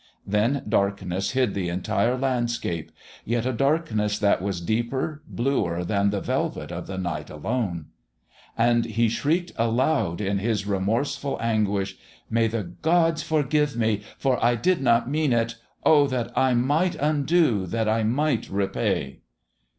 Then darkness hid the entire landscape, yet a darkness that was deeper, bluer than the velvet of the night alone.... And he shrieked aloud in his remorseful anguish: "May the gods forgive me, for I did not mean it! Oh, that I might undo ... that I might repay...!"